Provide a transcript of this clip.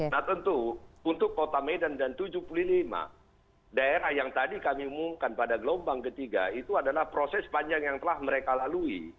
nah tentu untuk kota medan dan tujuh puluh lima daerah yang tadi kami umumkan pada gelombang ketiga itu adalah proses panjang yang telah mereka lalui